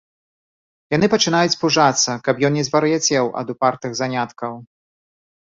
Яны пачынаюць пужацца, каб ён не звар'яцеў ад упартых заняткаў.